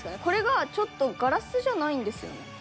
これがちょっとガラスじゃないんですよね。